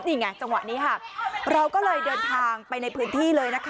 นี่ไงจังหวะนี้ค่ะเราก็เลยเดินทางไปในพื้นที่เลยนะคะ